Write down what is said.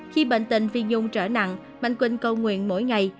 khi bệnh tình phi nhung trở nặng mạnh quỳnh cầu nguyện mỗi ngày